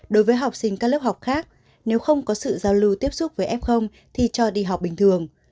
đối với học sinh các lớp học khác nếu không có sự giao lưu tiếp xúc với f thì cho đi học bình thường